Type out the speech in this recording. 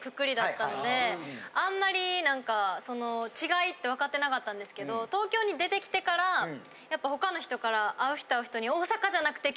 あんまり何かその違いってわかってなかったんですけど東京に出てきてからやっぱ他の人から会う人会う人に。